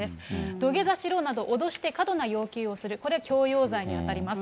土下座しろなどと脅して過度な要求をする、これ、強要罪に当たります。